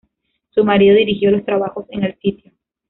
Su marido dirigió los trabajos en el sitio.